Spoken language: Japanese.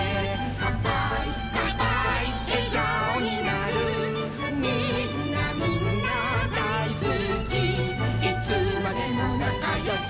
「かんぱーいかんぱーいえがおになる」「みんなみんなだいすきいつまでもなかよし」